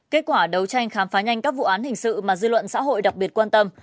kết quả đấu tranh khám phá nhanh các vụ án hình sự mà dư luận xã hội đặc biệt quan tâm